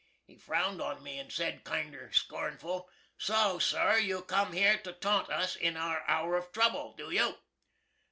He frowned on me, and sed, kinder scornful, "So, Sir you come here to taunt us in our hour of trouble, do you?"